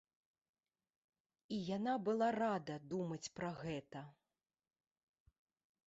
І яна была рада думаць пра гэта.